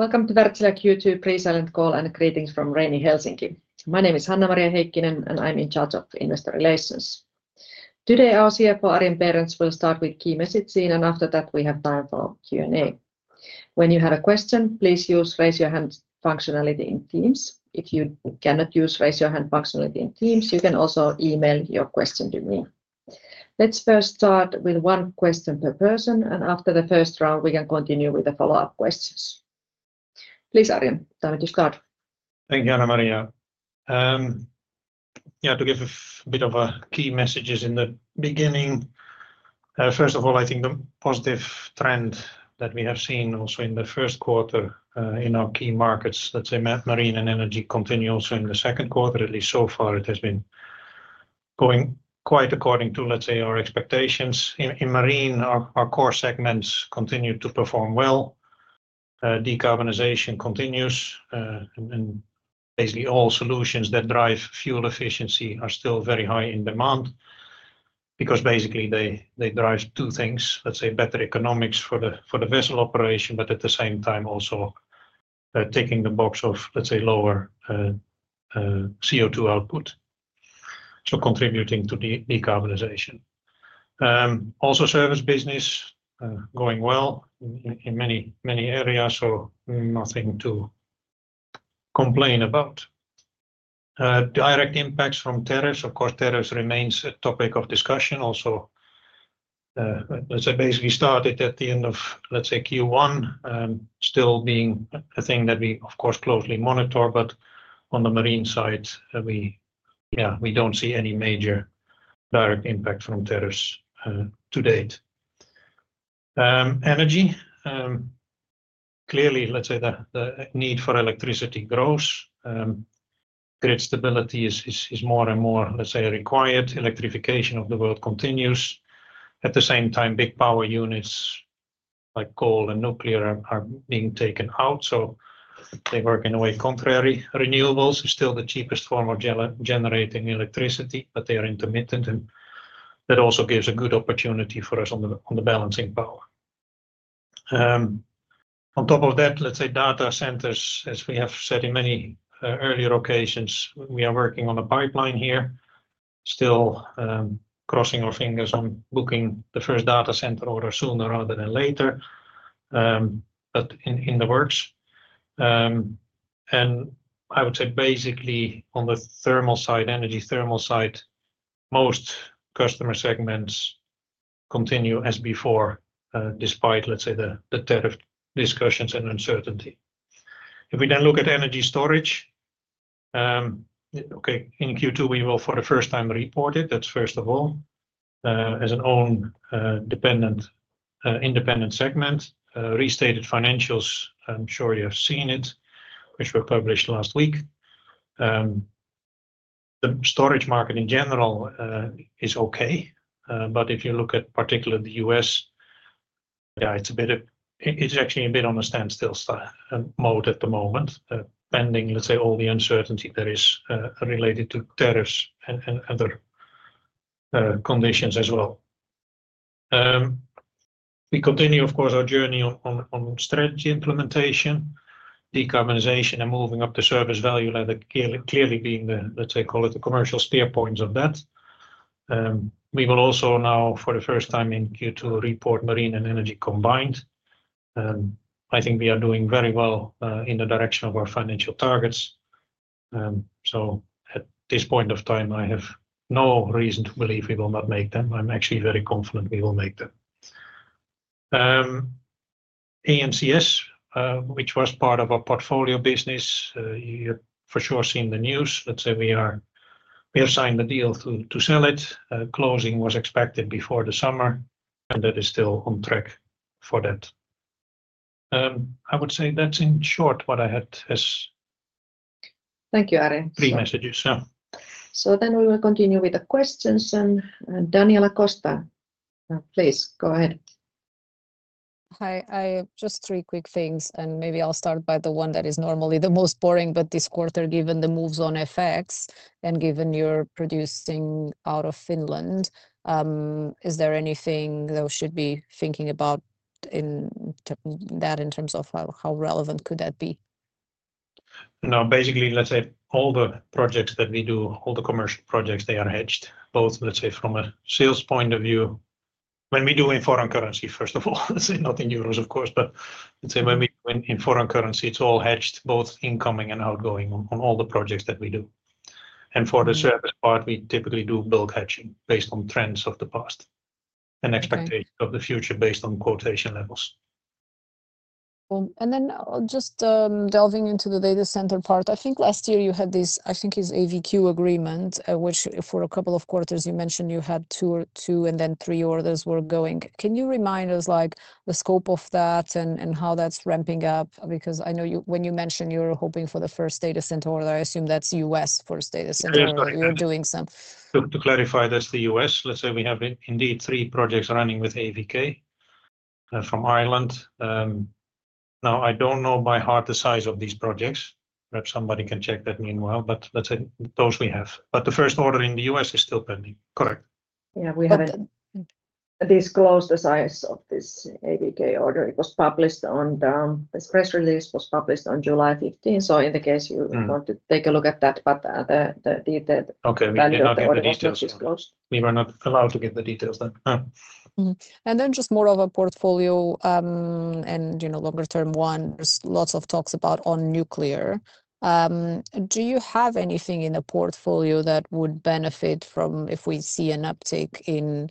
Welcome to Wärtsilä Q2 Pre-Salon call and greetings from Reini, Helsinki. My name is Hanna-Maria Heikkinen, and I'm in charge of investor relations. Today, our CFO, Arjen Berends, will start with key messages, and after that, we have time for Q&A. When you have a question, please use the raise your hand functionality in Teams. If you cannot use the raise your hand functionality in Teams, you can also email your question to me. Let's first start with one question per person, and after the first round, we can continue with the follow-up questions. Please, Arjen, time to start. Thank you, Hanna-Maria. Yeah, to give a bit of key messages in the beginning, first of all, I think the positive trend that we have seen also in the first quarter in our key markets, let's say marine and energy, continues in the second quarter. At least so far, it has been going quite according to, let's say, our expectations. In marine, our core segments continue to perform well. Decarbonization continues, and basically all solutions that drive fuel efficiency are still very high in demand because basically they drive two things, let's say better economics for the vessel operation, but at the same time also ticking the box of, let's say, lower CO2 output, so contributing to the decarbonization. Also, service business going well in many areas, so nothing to complain about. Direct impacts from tariffs, of course, tariffs remain a topic of discussion. Also, let's say basically started at the end of, let's say, Q1, still being a thing that we, of course, closely monitor, but on the marine side, yeah, we don't see any major direct impact from tariffs to date. Energy, clearly, let's say the need for electricity grows. Grid stability is more and more, let's say, required. Electrification of the world continues. At the same time, big power units like coal and nuclear are being taken out, so they work in a way contrary. Renewables are still the cheapest form of generating electricity, but they are intermittent, and that also gives a good opportunity for us on the balancing power. On top of that, let's say data centers, as we have said in many earlier occasions, we are working on a pipeline here, still crossing our fingers on booking the first data center order sooner rather than later, but in the works. I would say basically on the thermal side, energy thermal side, most customer segments continue as before despite, let's say, the tariff discussions and uncertainty. If we then look at energy storage, okay, in Q2 we will for the first time report it, that's first of all, as an own dependent, independent segment, restated financials, I'm sure you have seen it, which were published last week. The storage market in general is okay, but if you look at particularly the U.S., yeah, it's a bit, it's actually a bit on a standstill mode at the moment, pending, let's say, all the uncertainty that is related to tariffs and other conditions as well. We continue, of course, our journey on strategy implementation, decarbonization, and moving up the service value ladder, clearly being the, let's say, call it the commercial spear points of that. We will also now, for the first time in Q2, report marine and energy combined. I think we are doing very well in the direction of our financial targets. At this point of time, I have no reason to believe we will not make them. I'm actually very confident we will make them. AMCS, which was part of our portfolio business, you have for sure seen the news. Let's say we have signed the deal to sell it. Closing was expected before the summer, and that is still on track for that. I would say that's in short what I had as three messages. Thank you, Arjen. So then we will continue with the questions, and Daniela Costa, please go ahead. Hi, just three quick things, and maybe I'll start by the one that is normally the most boring, but this quarter, given the moves on FX and given you're producing out of Finland, is there anything that I should be thinking about in that in terms of how relevant could that be? No, basically, let's say all the projects that we do, all the commercial projects, they are hedged, both, let's say, from a sales point of view, when we do in foreign currency, first of all, let's say not in euros, of course, but let's say when we do in foreign currency, it's all hedged, both incoming and outgoing on all the projects that we do. For the service part, we typically do bulk hedging based on trends of the past and expectations of the future based on quotation levels. Just delving into the data center part, I think last year you had this, I think it's AVK agreement, which for a couple of quarters you mentioned you had two and then three orders were going. Can you remind us the scope of that and how that's ramping up? Because I know when you mentioned you were hoping for the first data center order, I assume that's U.S. first data center order, you're doing some. To clarify, that's the U.S. Let's say we have indeed three projects running with AVK from Ireland. Now, I don't know by heart the size of these projects. Perhaps somebody can check that meanwhile, but let's say those we have. The first order in the U.S. is still pending. Correct. Yeah, we haven't disclosed the size of this AVK order. It was published on the press release, was published on July 15th, so in the case you want to take a look at that, but the details. Okay, we did not disclose. We were not allowed to give the details then. Just more of a portfolio and longer-term one, there is lots of talk about nuclear. Do you have anything in the portfolio that would benefit from if we see an uptake in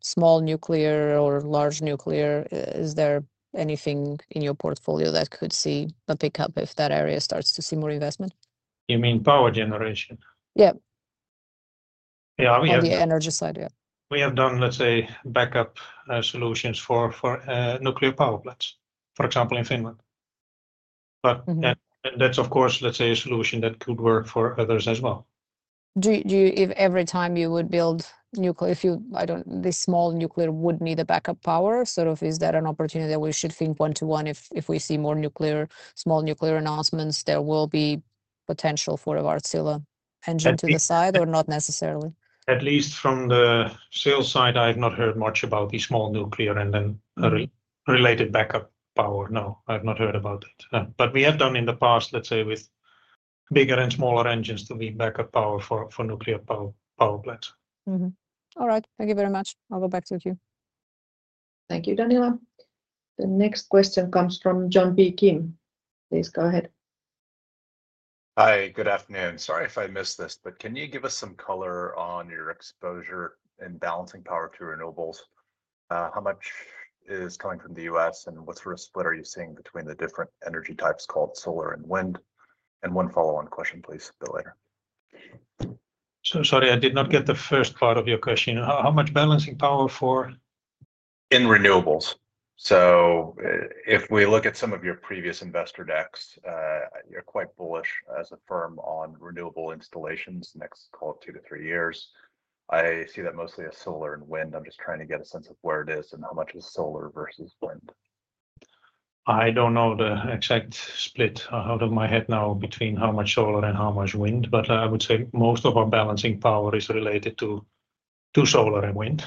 small nuclear or large nuclear? Is there anything in your portfolio that could see a pickup if that area starts to see more investment? You mean power generation? Yeah. Yeah, we have. On the energy side, yeah. We have done, let's say, backup solutions for nuclear power plants, for example, in Finland. That's, of course, let's say, a solution that could work for others as well. Do you, every time you would build nuclear, if you, I don't, this small nuclear would need a backup power, sort of, is that an opportunity that we should think one-to-one if we see more nuclear, small nuclear announcements, there will be potential for a Wärtsilä engine to the side or not necessarily? At least from the sales side, I've not heard much about the small nuclear and then related backup power. No, I've not heard about it. We have done in the past, let's say, with bigger and smaller engines to be backup power for nuclear power plants. All right, thank you very much. I'll go back to you. Thank you, Daniela. The next question comes from John B. Kim. Please go ahead. Hi, good afternoon. Sorry if I missed this, but can you give us some color on your exposure in balancing power to renewables? How much is coming from the U.S. and what sort of split are you seeing between the different energy types called solar and wind? One follow-on question, please, a bit later. Sorry, I did not get the first part of your question. How much balancing power for? In renewables. If we look at some of your previous investor decks, you're quite bullish as a firm on renewable installations in the next, call it, two to three years. I see that mostly as solar and wind. I'm just trying to get a sense of where it is and how much is solar versus wind. I don't know the exact split out of my head now between how much solar and how much wind, but I would say most of our balancing power is related to solar and wind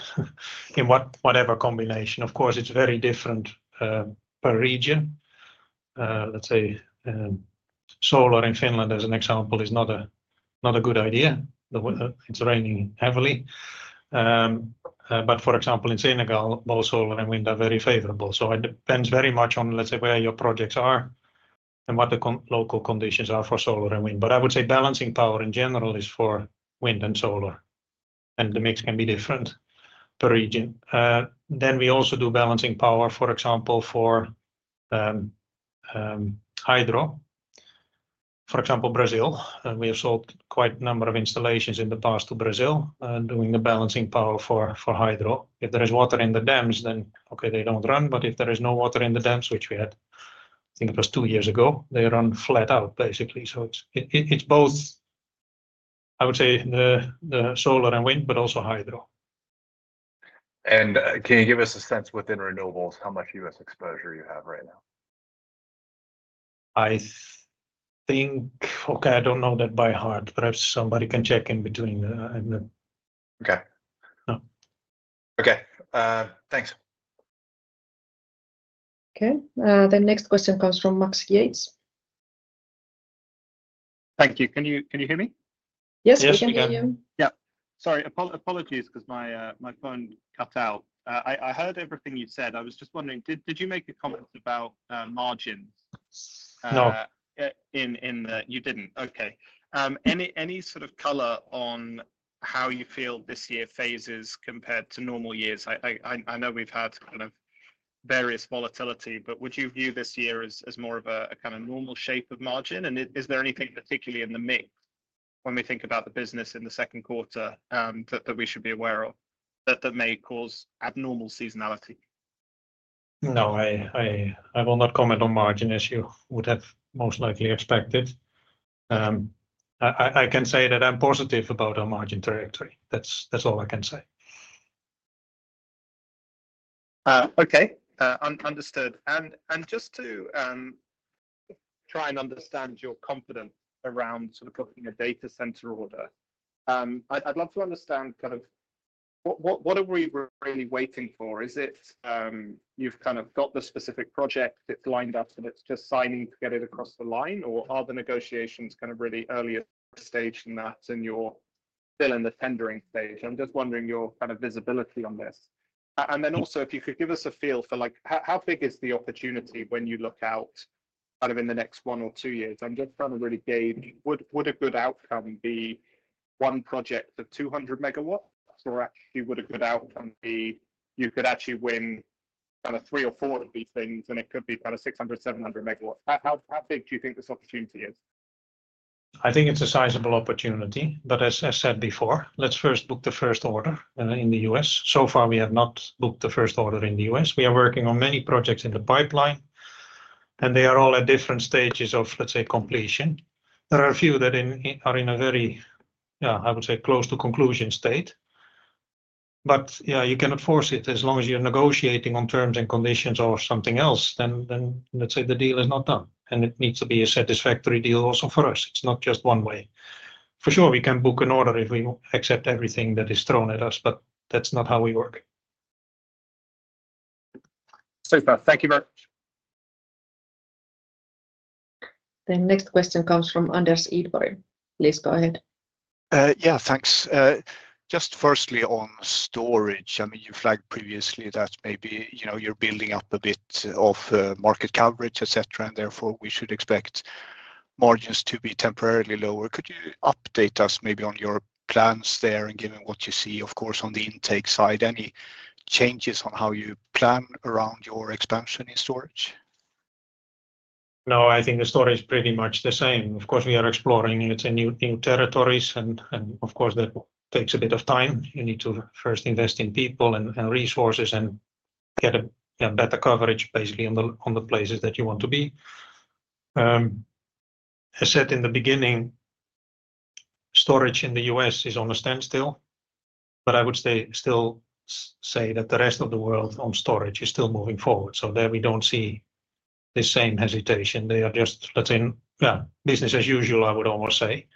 in whatever combination. Of course, it's very different per region. Let's say solar in Finland, as an example, is not a good idea. It's raining heavily. For example, in Senegal, both solar and wind are very favorable. It depends very much on, let's say, where your projects are and what the local conditions are for solar and wind. I would say balancing power in general is for wind and solar, and the mix can be different per region. We also do balancing power, for example, for hydro. For example, Brazil, we have sold quite a number of installations in the past to Brazil doing the balancing power for hydro. If there is water in the dams, then, okay, they do not run. If there is no water in the dams, which we had, I think it was two years ago, they run flat out, basically. It is both, I would say, the solar and wind, but also hydro. Can you give us a sense within renewables how much US exposure you have right now? I think, okay, I don't know that by heart, perhaps somebody can check in between the. Okay. Okay, thanks. Okay, the next question comes from Max Yates. Thank you. Can you hear me? Yes, we can hear you. Yeah, sorry, apologies because my phone cut out. I heard everything you said. I was just wondering, did you make a comment about margins? No. You didn't. Okay. Any sort of color on how you feel this year phases compared to normal years? I know we've had kind of various volatility, but would you view this year as more of a kind of normal shape of margin? Is there anything particularly in the mix when we think about the business in the second quarter that we should be aware of that may cause abnormal seasonality? No, I will not comment on margin as you would have most likely expected. I can say that I'm positive about our margin trajectory. That's all I can say. Okay, understood. Just to try and understand your confidence around sort of looking at data center order, I'd love to understand kind of what are we really waiting for? Is it you've kind of got the specific project, it's lined up, and it's just signing to get it across the line, or are the negotiations kind of really early stage in that and you're still in the tendering stage? I'm just wondering your kind of visibility on this. Also, if you could give us a feel for how big is the opportunity when you look out kind of in the next one or two years? I'm just trying to really gauge, would a good outcome be one project of 200 MW, or actually would a good outcome be you could actually win kind of three or four of these things, and it could be kind of 600-700 MW? How big do you think this opportunity is? I think it's a sizable opportunity, but as I said before, let's first book the first order in the U.S. So far, we have not booked the first order in the U.S. We are working on many projects in the pipeline, and they are all at different stages of, let's say, completion. There are a few that are in a very, yeah, I would say close to conclusion state. Yeah, you cannot force it. As long as you're negotiating on terms and conditions or something else, then let's say the deal is not done, and it needs to be a satisfactory deal also for us. It's not just one way. For sure, we can book an order if we accept everything that is thrown at us, but that's not how we work. Super. Thank you very much. The next question comes from Anders Idborg. Please go ahead. Yeah, thanks. Just firstly on storage, I mean, you flagged previously that maybe you're building up a bit of market coverage, etc., and therefore we should expect margins to be temporarily lower. Could you update us maybe on your plans there and give me what you see, of course, on the intake side, any changes on how you plan around your expansion in storage? No, I think the story is pretty much the same. Of course, we are exploring new territories, and of course, that takes a bit of time. You need to first invest in people and resources and get better coverage basically on the places that you want to be. As said in the beginning, storage in the U.S. is on a standstill, but I would still say that the rest of the world on storage is still moving forward. There we do not see the same hesitation. They are just, let's say, business as usual, I would almost say.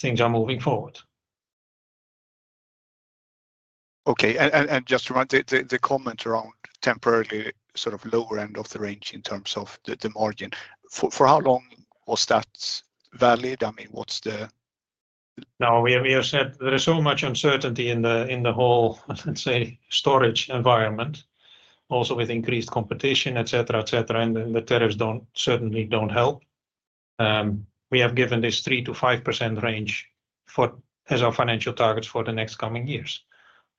Things are moving forward. Okay, and just to run the comment around temporarily sort of lower end of the range in terms of the margin, for how long was that valid? I mean, what's the? No, we have said there is so much uncertainty in the whole, let's say, storage environment, also with increased competition, etc., etc., and the tariffs certainly do not help. We have given this 3%-5% range as our financial targets for the next coming years.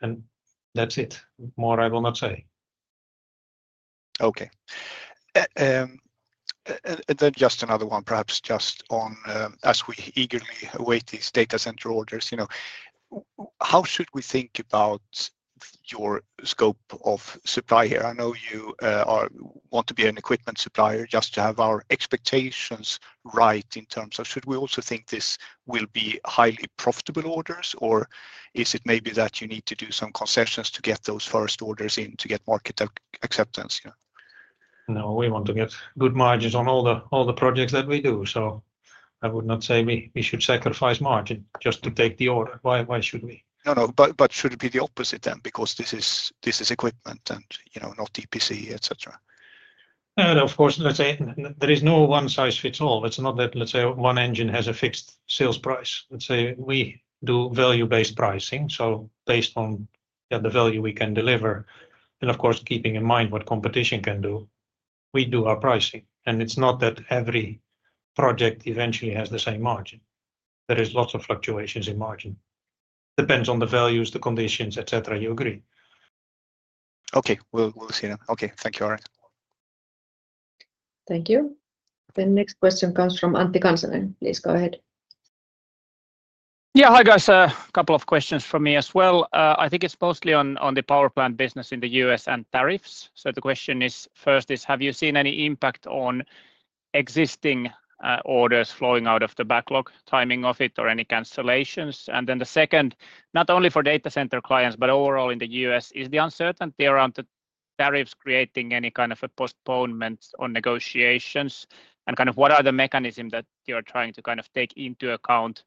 That is it. More I will not say. Okay. Then just another one, perhaps just on, as we eagerly await these data center orders, how should we think about your scope of supply here? I know you want to be an equipment supplier just to have our expectations right in terms of, should we also think this will be highly profitable orders, or is it maybe that you need to do some concessions to get those first orders in to get market acceptance? No, we want to get good margins on all the projects that we do. I would not say we should sacrifice margin just to take the order. Why should we? No, no, but should it be the opposite then because this is equipment and not EPC, et cetera? Of course, let's say there is no one size fits all. It's not that, let's say, one engine has a fixed sales price. Let's say we do value-based pricing, so based on the value we can deliver. Of course, keeping in mind what competition can do, we do our pricing. It's not that every project eventually has the same margin. There is lots of fluctuations in margin. Depends on the values, the conditions, etc., you agree. Okay, we'll see them. Okay, thank you, Arjen. Thank you. The next question comes from Antti Kansanen, please go ahead. Yeah, hi guys. A couple of questions for me as well. I think it's mostly on the power plant business in the U.S. and tariffs. The question is first, have you seen any impact on existing orders flowing out of the backlog, timing of it, or any cancellations? The second, not only for data center clients, but overall in the U.S., is the uncertainty around the tariffs creating any kind of a postponement on negotiations? What are the mechanisms that you're trying to kind of take into account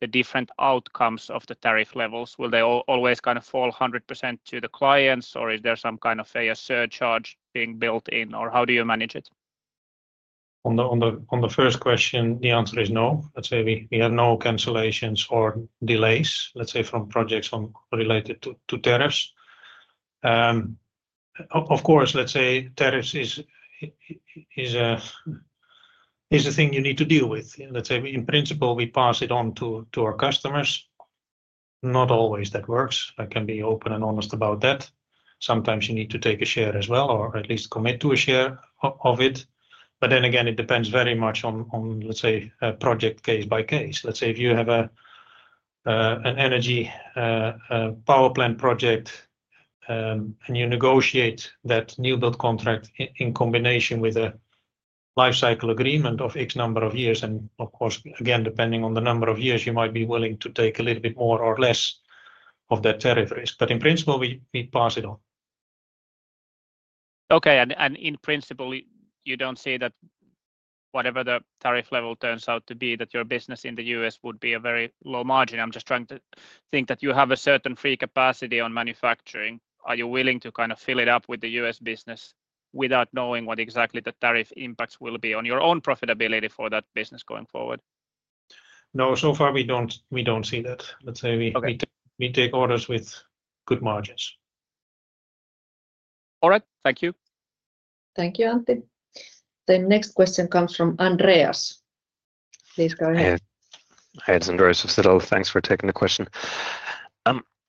the different outcomes of the tariff levels? Will they always kind of fall 100% to the clients, or is there some kind of a surcharge being built in, or how do you manage it? On the first question, the answer is no. Let's say we have no cancellations or delays, let's say, from projects related to tariffs. Of course, tariffs is a thing you need to deal with. In principle, we pass it on to our customers. Not always that works. I can be open and honest about that. Sometimes you need to take a share as well or at least commit to a share of it. Again, it depends very much on, let's say, a project case by case. If you have an energy power plant project and you negotiate that new build contract in combination with a life cycle agreement of X number of years, and of course, again, depending on the number of years, you might be willing to take a little bit more or less of that tariff risk. In principle, we pass it on. Okay, and in principle, you do not see that whatever the tariff level turns out to be, that your business in the U.S. would be a very low margin. I am just trying to think that you have a certain free capacity on manufacturing. Are you willing to kind of fill it up with the U.S. business without knowing what exactly the tariff impacts will be on your own profitability for that business going forward? No, so far we do not see that. Let's say we take orders with good margins. All right, thank you. Thank you, Antti. The next question comes from Andreas. Please go ahead. Hey, it's Andreas of Siddel. Thanks for taking the question.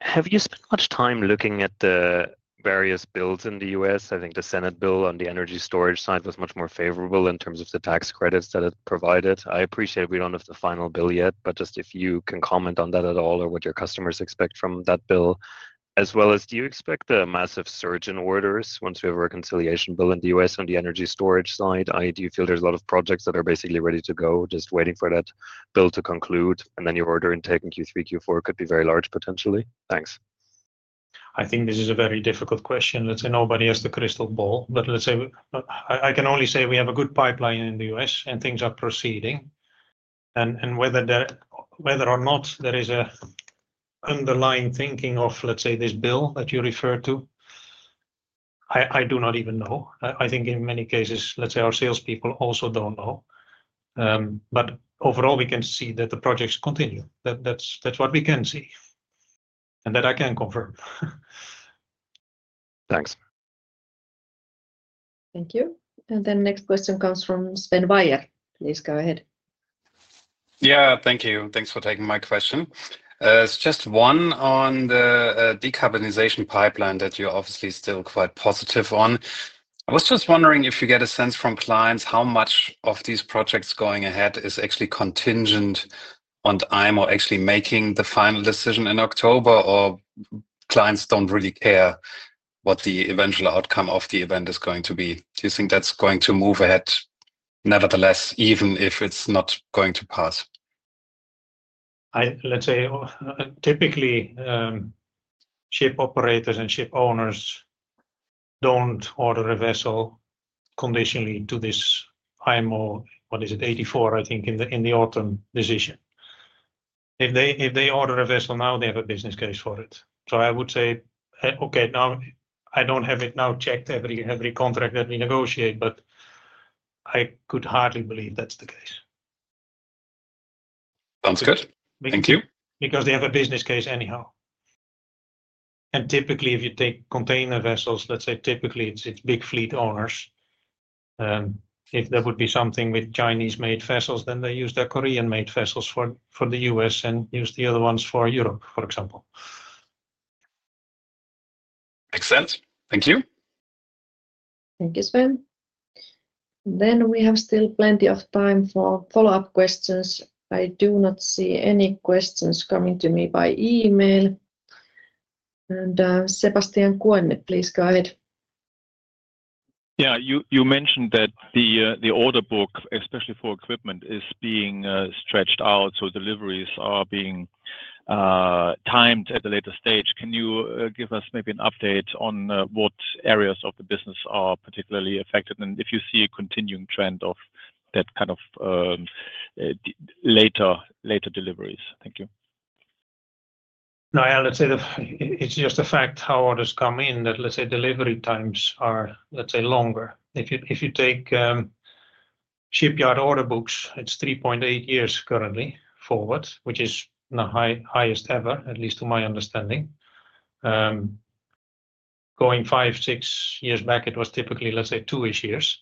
Have you spent much time looking at the various bills in the U.S.? I think the Senate bill on the energy storage side was much more favorable in terms of the tax credits that it provided. I appreciate we don't have the final bill yet, but just if you can comment on that at all or what your customers expect from that bill, as well as do you expect a massive surge in orders once we have a reconciliation bill in the U.S. on the energy storage side? Do you feel there's a lot of projects that are basically ready to go, just waiting for that bill to conclude, and then your order intake in Q3, Q4 could be very large potentially? Thanks. I think this is a very difficult question. Let's say nobody has the crystal ball, but let's say I can only say we have a good pipeline in the U.S. and things are proceeding. Whether or not there is an underlying thinking of, let's say, this bill that you referred to, I do not even know. I think in many cases, let's say our salespeople also don't know. Overall, we can see that the projects continue. That's what we can see and that I can confirm. Thanks. Thank you. The next question comes from Sven Weier. Please go ahead. Yeah, thank you. Thanks for taking my question. It's just one on the decarbonization pipeline that you're obviously still quite positive on. I was just wondering if you get a sense from clients how much of these projects going ahead is actually contingent on time or actually making the final decision in October, or clients do not really care what the eventual outcome of the event is going to be. Do you think that's going to move ahead nevertheless, even if it's not going to pass? Let's say typically ship operators and ship owners don't order a vessel conditionally to this IMO MEPC 84, I think in the autumn decision. If they order a vessel now, they have a business case for it. I would say, okay, now I don't have it now checked every contract that we negotiate, but I could hardly believe that's the case. Sounds good. Thank you. Because they have a business case anyhow. Typically, if you take container vessels, let's say typically it's big fleet owners. If there would be something with Chinese-made vessels, they use their Korean-made vessels for the U.S. and use the other ones for Europe, for example. Makes sense. Thank you. Thank you, Sven. We have still plenty of time for follow-up questions. I do not see any questions coming to me by email. Sebastian Koenne, please go ahead. Yeah, you mentioned that the order book, especially for equipment, is being stretched out, so deliveries are being timed at a later stage. Can you give us maybe an update on what areas of the business are particularly affected and if you see a continuing trend of that kind of later deliveries? Thank you. No, let's say it's just a fact how orders come in that, let's say, delivery times are, let's say, longer. If you take shipyard order books, it's 3.8 years currently forward, which is the highest ever, at least to my understanding. Going five, six years back, it was typically, let's say, two-ish years.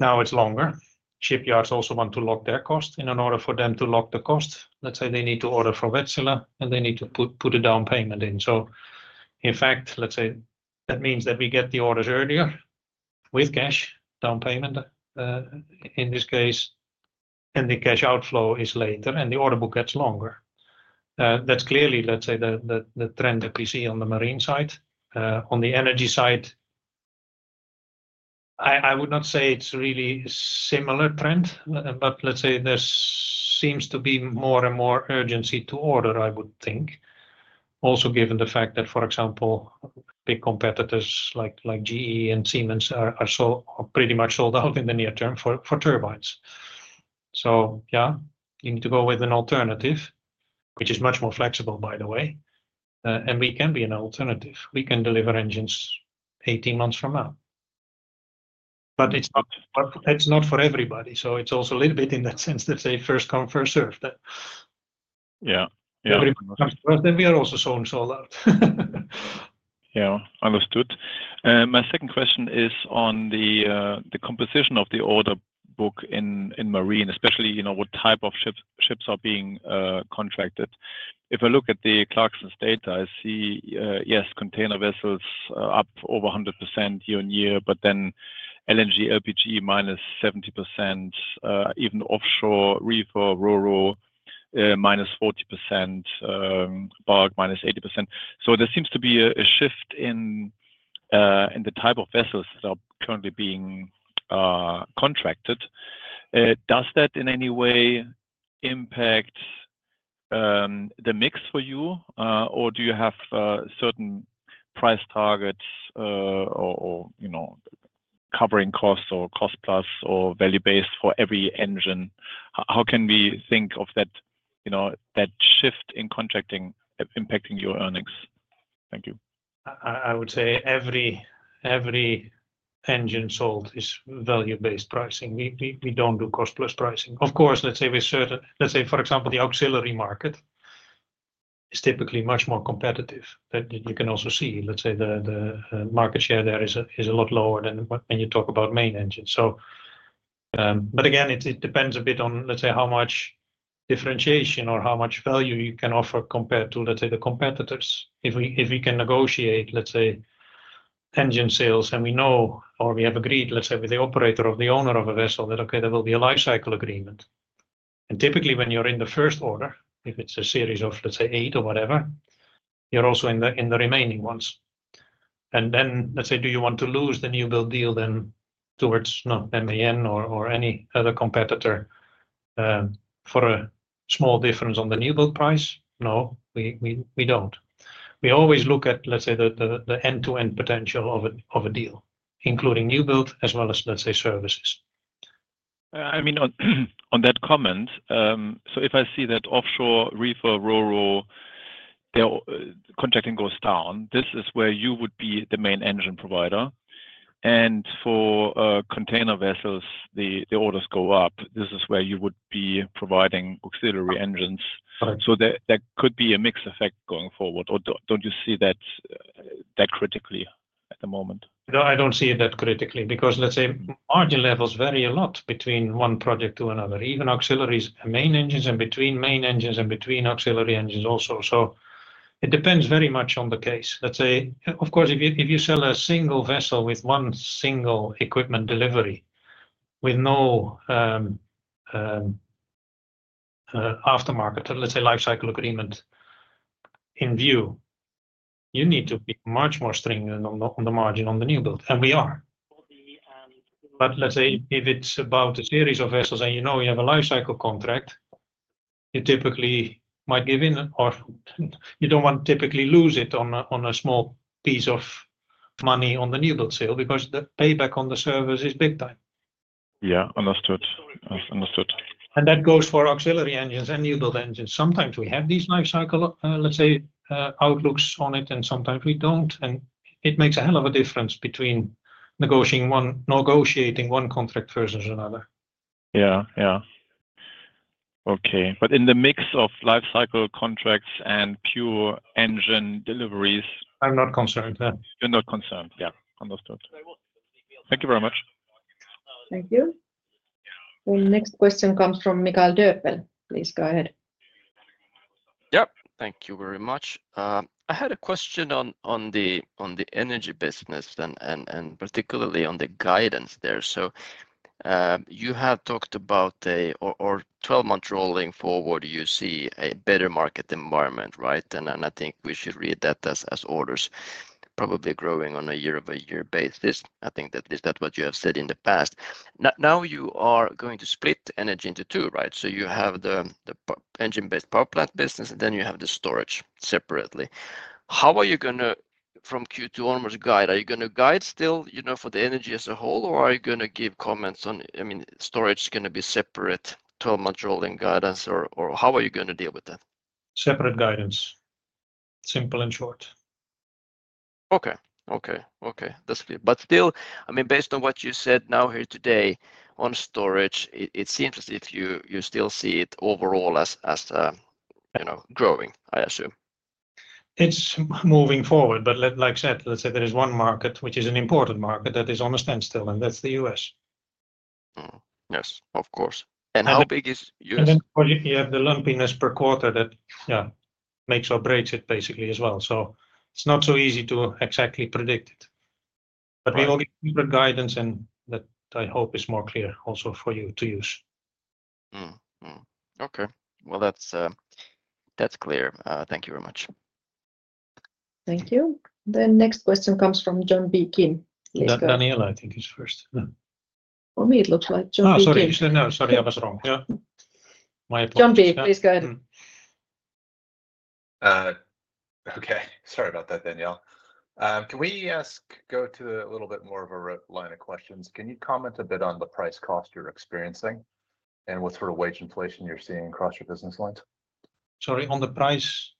Now it's longer. Shipyards also want to lock their cost in order for them to lock the cost. Let's say they need to order for Wärtsilä and they need to put a down payment in. In fact, let's say that means that we get the orders earlier with cash down payment in this case, and the cash outflow is later and the order book gets longer. That's clearly, let's say, the trend that we see on the marine side. On the energy side, I would not say it's really a similar trend, but let's say there seems to be more and more urgency to order, I would think. Also given the fact that, for example, big competitors like GE and Siemens are pretty much sold out in the near term for turbines. Yeah, you need to go with an alternative, which is much more flexible, by the way. We can be an alternative. We can deliver engines 18 months from now. It is not for everybody. It is also a little bit in that sense that they first come, first served. Yeah, yeah. Everyone comes to us, then we are also sold out. Yeah, understood. My second question is on the composition of the order book in marine, especially what type of ships are being contracted. If I look at the Clarkson's data, I see, yes, container vessels up over 100% year on year, but then LNG, LPG -70%, even offshore reefer, rural -40%, bulk -80%. There seems to be a shift in the type of vessels that are currently being contracted. Does that in any way impact the mix for you, or do you have certain price targets or covering costs or cost plus or value-based for every engine? How can we think of that shift in contracting impacting your earnings? Thank you. I would say every engine sold is value-based pricing. We do not do cost plus pricing. Of course, with certain, for example, the auxiliary market is typically much more competitive. You can also see the market share there is a lot lower than when you talk about main engines. Again, it depends a bit on how much differentiation or how much value you can offer compared to the competitors. If we can negotiate engine sales and we know or we have agreed with the operator or the owner of a vessel that, okay, there will be a life cycle agreement. Typically when you are in the first order, if it is a series of eight or whatever, you are also in the remaining ones. Let's say, do you want to lose the new build deal then towards MAN or any other competitor for a small difference on the new build price? No, we don't. We always look at, let's say, the end-to-end potential of a deal, including new build as well as, let's say, services. I mean, on that comment, if I see that offshore reefer, rural, contracting goes down, this is where you would be the main engine provider. For container vessels, the orders go up. This is where you would be providing auxiliary engines. There could be a mixed effect going forward. Do not you see that critically at the moment? No, I do not see it that critically because, let's say, margin levels vary a lot between one project to another. Even auxiliaries, main engines, and between main engines and between auxiliary engines also. It depends very much on the case. Let's say, of course, if you sell a single vessel with one single equipment delivery with no aftermarket, let's say, life cycle agreement in view, you need to be much more stringent on the margin on the new build. We are. Let's say if it is about a series of vessels and you know you have a life cycle contract, you typically might give in or you do not want to typically lose it on a small piece of money on the new build sale because the payback on the service is big time. Yeah, understood. Understood. That goes for auxiliary engines and new build engines. Sometimes we have these life cycle, let's say, outlooks on it and sometimes we do not. It makes a hell of a difference between negotiating one contract versus another. Yeah, yeah. Okay. In the mix of life cycle contracts and pure engine deliveries. I'm not concerned. You're not concerned. Yeah. Understood. Thank you very much. Thank you. The next question comes from Mikael Doepel. Please go ahead. Yep. Thank you very much. I had a question on the energy business and particularly on the guidance there. You have talked about a 12-month rolling forward, you see a better market environment, right? I think we should read that as orders probably growing on a year-over-year basis. I think that is what you have said in the past. Now you are going to split energy into two, right? You have the engine-based power plant business and then you have the storage separately. How are you going to, from Q2 onwards, guide? Are you going to guide still for the energy as a whole or are you going to give comments on, I mean, storage is going to be separate 12-month rolling guidance or how are you going to deal with that? Separate guidance. Simple and short. Okay. Okay. That's clear. I mean, based on what you said now here today on storage, it seems as if you still see it overall as growing, I assume. It's moving forward, but like I said, let's say there is one market, which is an important market that is almost standstill, and that's the U.S. Yes, of course. How big is U.S.? You have the lumpiness per quarter that, yeah, makes or breaks it basically as well. It is not so easy to exactly predict it. We always give a guidance and that, I hope, is more clear also for you to use. Okay. That's clear. Thank you very much. Thank you. The next question comes from John B. Kim. Daniela, I think, is first. For me, it looks like John B. Kim. Oh, sorry. No, sorry. I was wrong. Yeah. My apologies. John B., please go ahead. Okay. Sorry about that, Daniela. Can we go to a little bit more of a routeline of questions? Can you comment a bit on the price cost you're experiencing and what sort of wage inflation you're seeing across your business lines? Sorry, on the price?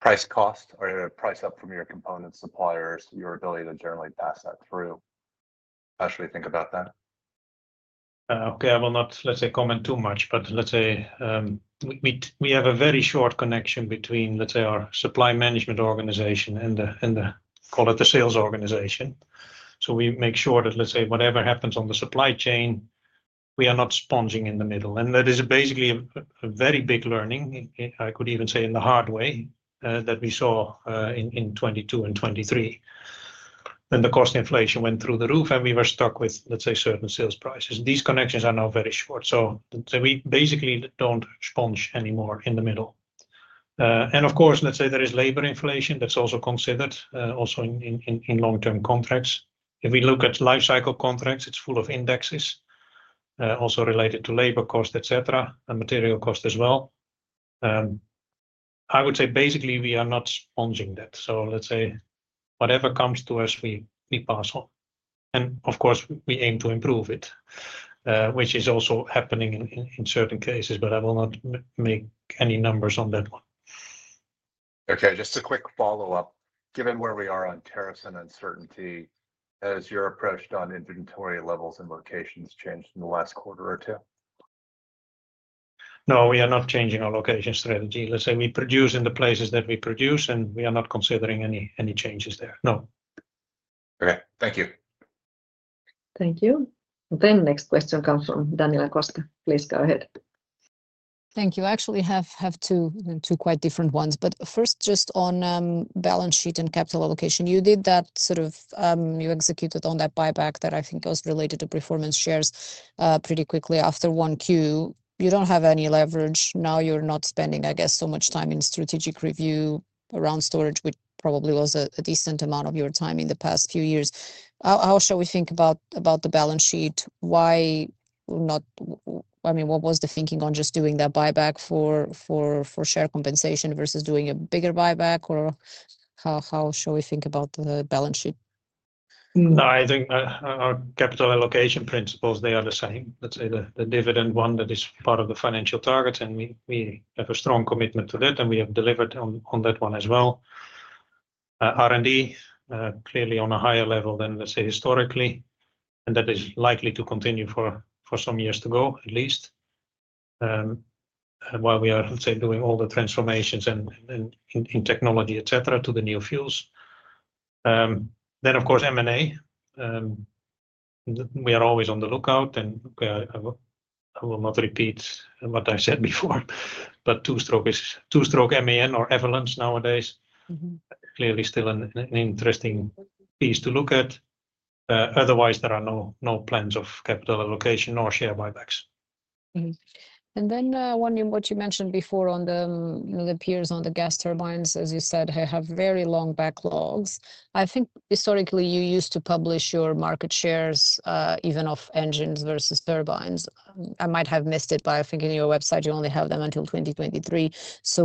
Price cost or price up from your component suppliers, your ability to generally pass that through? How should we think about that? Okay. I will not, let's say, comment too much, but let's say we have a very short connection between, let's say, our supply management organization and the, call it the sales organization. We make sure that, let's say, whatever happens on the supply chain, we are not sponging in the middle. That is basically a very big learning, I could even say in the hard way, that we saw in 2022 and 2023. The cost inflation went through the roof and we were stuck with, let's say, certain sales prices. These connections are now very short. We basically do not sponge anymore in the middle. Of course, let's say there is labor inflation that is also considered also in long-term contracts. If we look at life cycle contracts, it is full of indexes also related to labor cost, etc., and material cost as well. I would say basically we are not sponging that. Let's say whatever comes to us, we pass on. Of course, we aim to improve it, which is also happening in certain cases, but I will not make any numbers on that one. Okay. Just a quick follow-up. Given where we are on tariffs and uncertainty, has your approach on inventory levels and locations changed in the last quarter or two? No, we are not changing our location strategy. Let's say we produce in the places that we produce and we are not considering any changes there. No. Okay. Thank you. Thank you. The next question comes from Daniela Costa. Please go ahead. Thank you. I actually have two quite different ones. First, just on balance sheet and capital allocation, you did that sort of you executed on that buyback that I think was related to performance shares pretty quickly after Q1. You do not have any leverage now. You are not spending, I guess, so much time in strategic review around storage, which probably was a decent amount of your time in the past few years. How should we think about the balance sheet? I mean, what was the thinking on just doing that buyback for share compensation versus doing a bigger buyback? How should we think about the balance sheet? No, I think our capital allocation principles, they are the same. Let's say the dividend one that is part of the financial target, and we have a strong commitment to that, and we have delivered on that one as well. R&D, clearly on a higher level than, let's say, historically. That is likely to continue for some years to go, at least, while we are, let's say, doing all the transformations in technology, etc., to the new fuels. Of course, M&A. We are always on the lookout, and I will not repeat what I said before, but two-stroke MAN or Evlens nowadays, clearly still an interesting piece to look at. Otherwise, there are no plans of capital allocation or share buybacks. What you mentioned before on the peers on the gas turbines, as you said, have very long backlogs. I think historically you used to publish your market shares even of engines versus turbines. I might have missed it, but I think in your website, you only have them until 2023.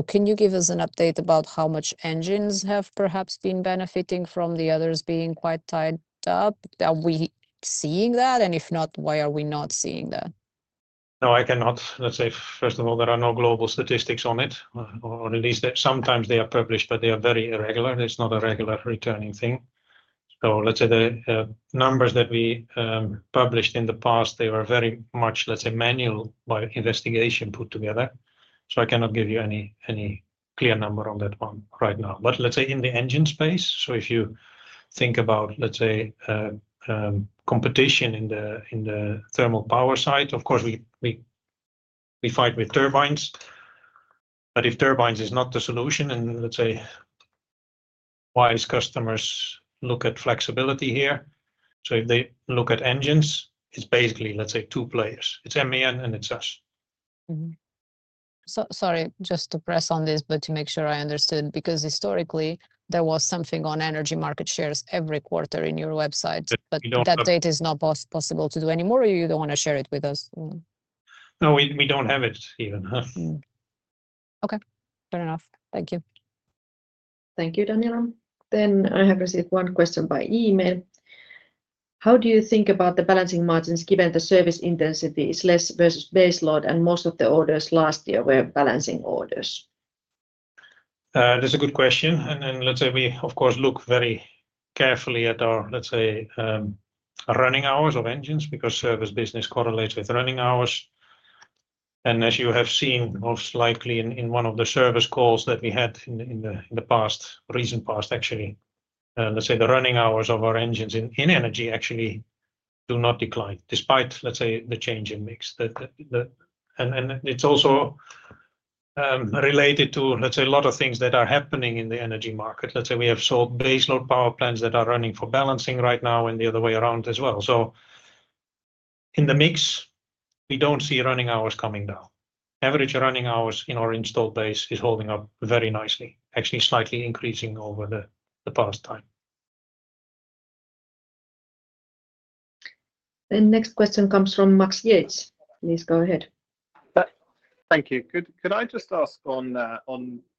Can you give us an update about how much engines have perhaps been benefiting from the others being quite tied up? Are we seeing that? If not, why are we not seeing that? No, I cannot. Let's say, first of all, there are no global statistics on it, or at least sometimes they are published, but they are very irregular. It's not a regular returning thing. Let's say the numbers that we published in the past, they were very much, let's say, manual by investigation put together. I cannot give you any clear number on that one right now. Let's say in the engine space, if you think about, let's say, competition in the thermal power side, of course, we fight with turbines. If turbines is not the solution, then wise customers look at flexibility here. If they look at engines, it's basically, let's say, two players. It's MAN and it's us. Sorry, just to press on this, but to make sure I understood, because historically, there was something on energy market shares every quarter in your website. Is that data not possible to do anymore, or you do not want to share it with us? No, we don't have it even. Okay. Fair enough. Thank you. Thank you, Daniela. I have received one question by email. How do you think about the balancing margins given the service intensity is less versus base load, and most of the orders last year were balancing orders? That's a good question. We, of course, look very carefully at our, let's say, running hours of engines because service business correlates with running hours. As you have seen, most likely in one of the service calls that we had in the recent past, actually, the running hours of our engines in energy actually do not decline despite, let's say, the change in mix. It's also related to a lot of things that are happening in the energy market. We have sold base load power plants that are running for balancing right now and the other way around as well. In the mix, we do not see running hours coming down. Average running hours in our installed base is holding up very nicely, actually slightly increasing over the past time. The next question comes from Max Yates. Please go ahead. Thank you. Could I just ask on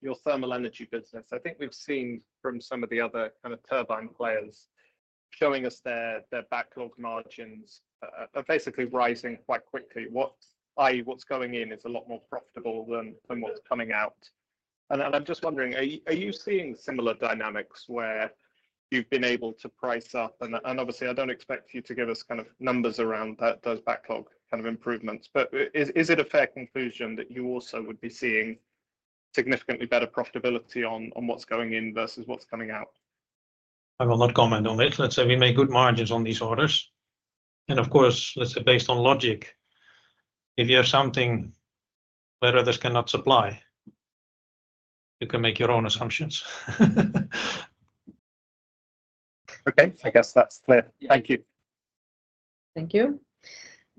your thermal energy business? I think we've seen from some of the other kind of turbine players showing us their backlog margins are basically rising quite quickly. I.e., what's going in is a lot more profitable than what's coming out. I'm just wondering, are you seeing similar dynamics where you've been able to price up? Obviously, I don't expect you to give us kind of numbers around those backlog kind of improvements, but is it a fair conclusion that you also would be seeing significantly better profitability on what's going in versus what's coming out? I will not comment on it. Let's say we make good margins on these orders. Of course, let's say based on logic, if you have something where others cannot supply, you can make your own assumptions. Okay. I guess that's clear. Thank you. Thank you.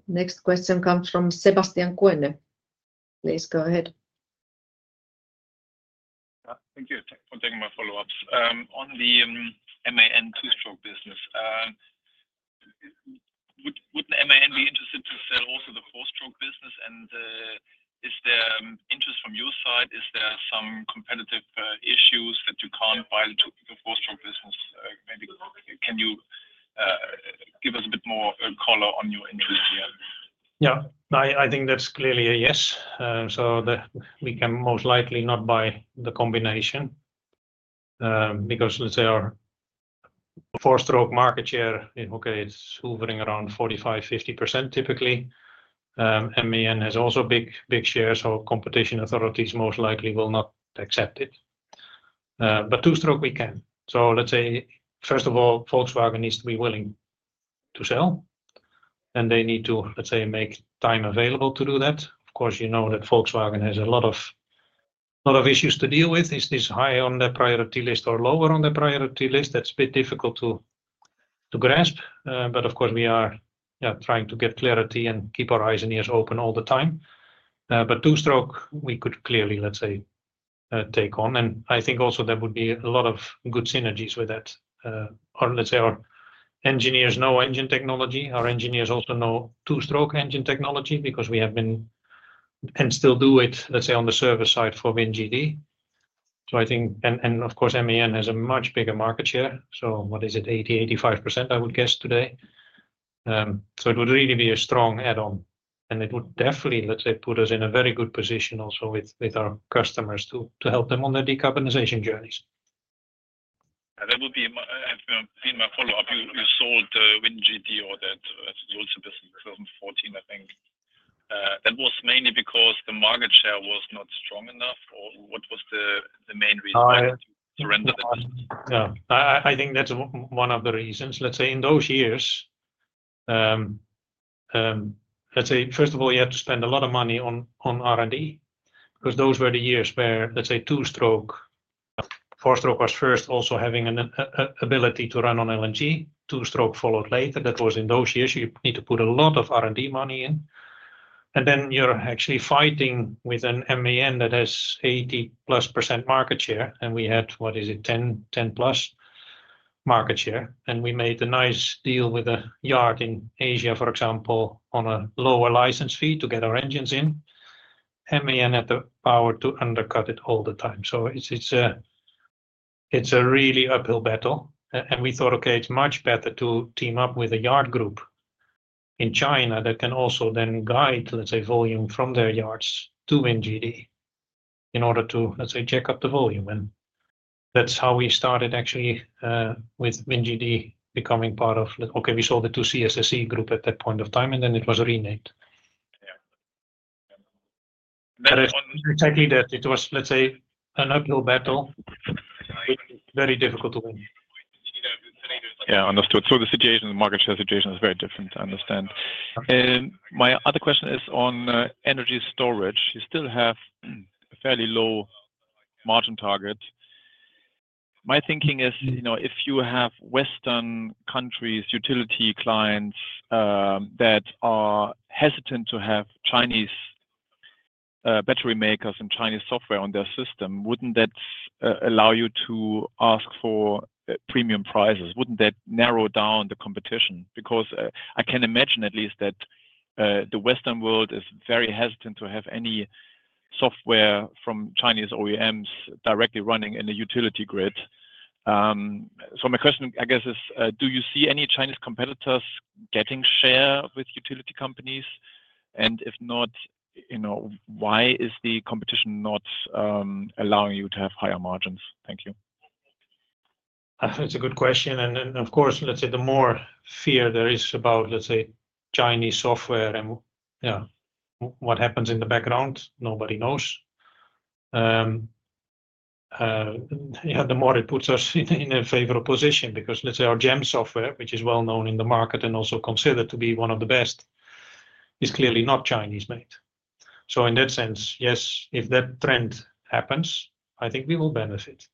Next question comes from Sebastian Kuenne. Please go ahead. Thank you for taking my follow-ups. On the MAN two-stroke business, would MAN be interested to sell also the four-stroke business? Is there interest from your side? Is there some competitive issues that you can't buy the two-stroke business? Can you give us a bit more color on your interest here? Yeah. I think that's clearly a yes. We can most likely not buy the combination because, let's say, our four-stroke market share, okay, it's hovering around 45%-50% typically. MAN has also big shares, so competition authorities most likely will not accept it. Two-stroke, we can. Let's say, first of all, Volkswagen needs to be willing to sell, and they need to, let's say, make time available to do that. Of course, you know that Volkswagen has a lot of issues to deal with. Is this high on the priority list or lower on the priority list? That's a bit difficult to grasp. Of course, we are trying to get clarity and keep our eyes and ears open all the time. Two-stroke, we could clearly, let's say, take on. I think also there would be a lot of good synergies with that. Let's say our engineers know engine technology. Our engineers also know two-stroke engine technology because we have been and still do it, let's say, on the service side for WinGD. I think, and of course, MAN has a much bigger market share. What is it? 80%-85%, I would guess today. It would really be a strong add-on. It would definitely, let's say, put us in a very good position also with our customers to help them on their decarbonization journeys. That would be my follow-up. You sold WinGD or that, you also listed 2014, I think. That was mainly because the market share was not strong enough, or what was the main reason to surrender the business? Yeah. I think that's one of the reasons. Let's say in those years, first of all, you had to spend a lot of money on R&D because those were the years where, let's say, two-stroke, four-stroke was first also having an ability to run on LNG. Two-stroke followed later. That was in those years. You need to put a lot of R&D money in. You're actually fighting with an MAN that has 80%+ market share. We had, what is it, 10%+ market share. We made a nice deal with a yard in Asia, for example, on a lower license fee to get our engines in. MAN had the power to undercut it all the time. It is a really uphill battle. We thought, okay, it's much better to team up with a yard group in China that can also then guide, let's say, volume from their yards to WinGD in order to, let's say, check up the volume. That's how we started actually with WinGD becoming part of, okay, we sold it to CSSC Group at that point of time, and then it was renamed. Yeah. Exactly that. It was, let's say, an uphill battle. Very difficult to win. Yeah. Understood. The market share situation is very different. I understand. My other question is on energy storage. You still have a fairly low margin target. My thinking is if you have Western countries' utility clients that are hesitant to have Chinese battery makers and Chinese software on their system, would not that allow you to ask for premium prices? Would not that narrow down the competition? I can imagine at least that the Western world is very hesitant to have any software from Chinese OEMs directly running in a utility grid. My question, I guess, is do you see any Chinese competitors getting share with utility companies? If not, why is the competition not allowing you to have higher margins? Thank you. That's a good question. Of course, the more fear there is about, let's say, Chinese software and what happens in the background, nobody knows. The more it puts us in a favorable position because, let's say, our GEMS software, which is well known in the market and also considered to be one of the best, is clearly not Chinese-made. In that sense, yes, if that trend happens, I think we will benefit.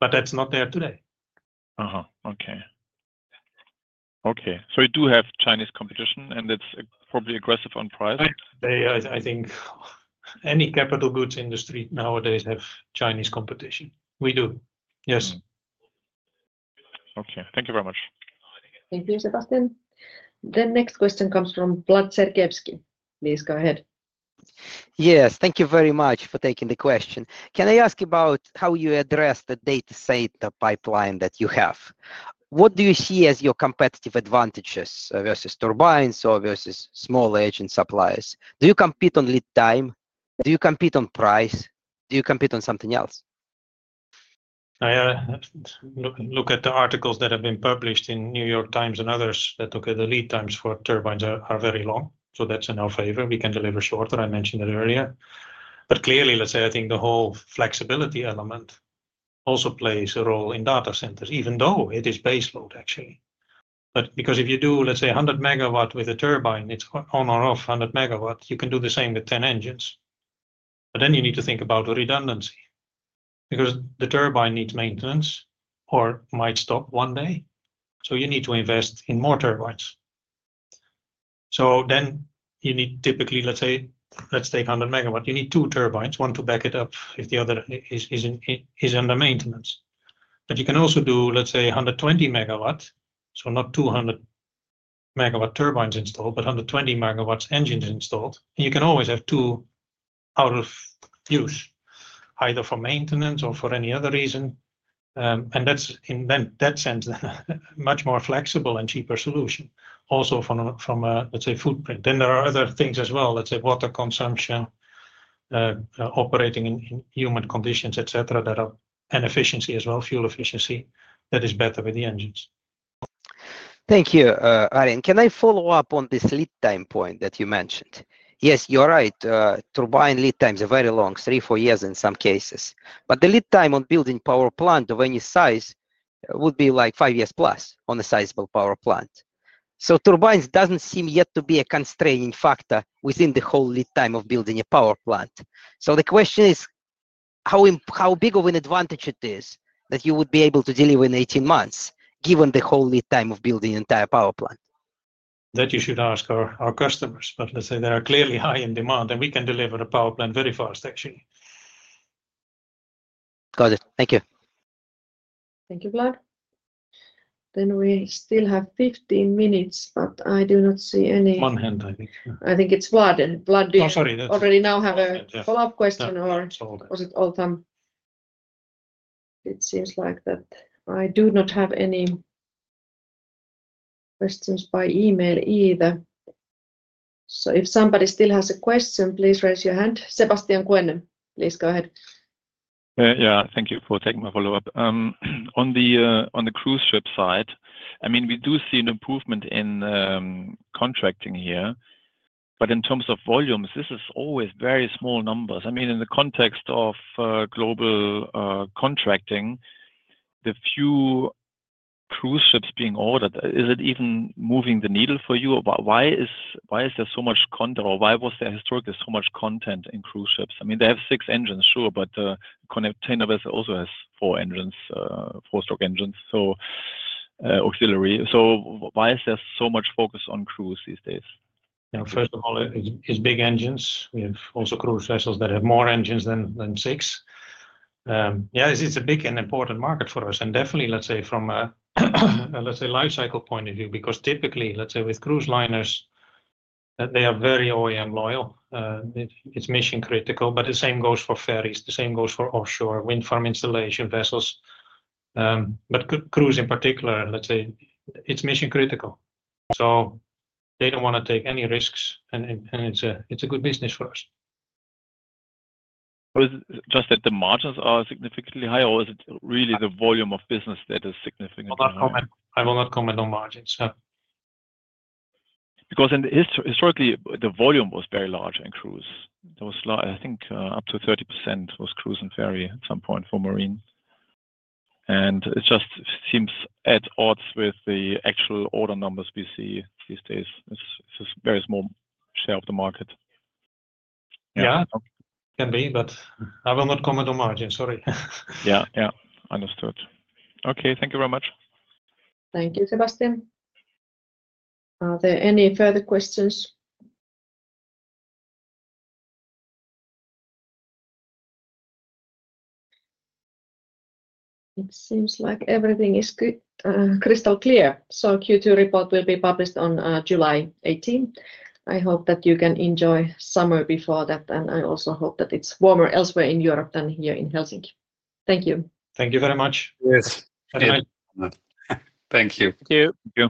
That is not there today. Okay. Okay. So you do have Chinese competition, and it's probably aggressive on price. I think any capital goods industry nowadays has Chinese competition. We do. Yes. Okay. Thank you very much. Thank you, Sebastian. The next question comes from Vlad Sergievskiy. Please go ahead. Yes. Thank you very much for taking the question. Can I ask you about how you address the data center pipeline that you have? What do you see as your competitive advantages versus turbines or versus small engine suppliers? Do you compete on lead time? Do you compete on price? Do you compete on something else? I look at the articles that have been published in New York Times and others that look at the lead times for turbines are very long. That is in our favor. We can deliver shorter. I mentioned it earlier. Clearly, let's say, I think the whole flexibility element also plays a role in data centers, even though it is base load, actually. If you do, let's say, 100 MW with a turbine, it is on or off 100 MW. You can do the same with 10 engines. Then you need to think about redundancy because the turbine needs maintenance or might stop one day. You need to invest in more turbines. You need typically, let's say, let's take 100 MW. You need two turbines, one to back it up if the other is under maintenance. You can also do, let's say, 120 MW. Not 200 MW turbines installed, but 120 MW engines installed. You can always have two out of use, either for maintenance or for any other reason. In that sense, it is a much more flexible and cheaper solution also from a, let's say, footprint. There are other things as well, let's say, water consumption, operating in humid conditions, etc., that are an efficiency as well, fuel efficiency that is better with the engines. Thank you, Arjen. Can I follow up on this lead time point that you mentioned? Yes, you're right. Turbine lead times are very long, three, four years in some cases. The lead time on building a power plant of any size would be like five years plus on a sizable power plant. Turbines do not seem yet to be a constraining factor within the whole lead time of building a power plant. The question is how big of an advantage it is that you would be able to deliver in 18 months given the whole lead time of building an entire power plant? That you should ask our customers, but let's say they are clearly high in demand, and we can deliver a power plant very fast, actually. Got it. Thank you. Thank you, Vlad. We still have 15 minutes, but I do not see any. One hand, I think. I think it's Vlad. Vlad, do you already now have a follow-up question, or was it all done? It seems like that I do not have any questions by email either. If somebody still has a question, please raise your hand. Sebastian Kuenne, please go ahead. Yeah. Thank you for taking my follow-up. On the cruise ship side, I mean, we do see an improvement in contracting here, but in terms of volumes, this is always very small numbers. I mean, in the context of global contracting, the few cruise ships being ordered, is it even moving the needle for you? Why is there so much content, or why was there historically so much content in cruise ships? I mean, they have six engines, sure, but the container also has four engines, four-stroke engines, so auxiliary. So why is there so much focus on cruise these days? First of all, it's big engines. We have also cruise vessels that have more engines than six. Yeah, it's a big and important market for us. Definitely, let's say, from a, let's say, lifecycle point of view, because typically, let's say, with cruise liners, they are very OEM loyal. It's mission critical, but the same goes for ferries. The same goes for offshore wind farm installation vessels. Cruise in particular, let's say, it's mission critical. They do not want to take any risks, and it's a good business for us. Just that the margins are significantly higher, or is it really the volume of business that is significantly higher? I will not comment on margins. Because historically, the volume was very large in cruise. There was, I think, up to 30% was cruise and ferry at some point for marine. It just seems at odds with the actual order numbers we see these days. It is a very small share of the market. Yeah. Can be, but I will not comment on margin. Sorry. Yeah. Yeah. Understood. Okay. Thank you very much. Thank you, Sebastian. Are there any further questions? It seems like everything is crystal clear. Q2 report will be published on July 18. I hope that you can enjoy summer before that, and I also hope that it is warmer elsewhere in Europe than here in Helsinki. Thank you. Thank you very much. Yes. Thank you. Thank you.